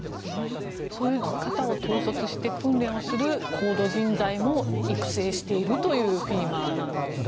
そういう方を統率して訓練する高度人材も育成しているというＦＥＭＡなんですね。